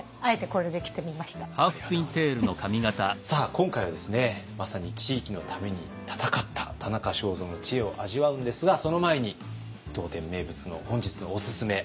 今回はですねまさに地域のために闘った田中正造の知恵を味わうんですがその前に当店名物の本日のオススメ。